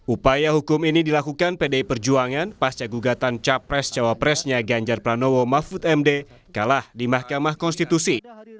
upaya hukum ini dilakukan pdi perjuangan pasca gugatan capres cawapresnya ganjar pranowo mahfud md kalah di mahkamah konstitusi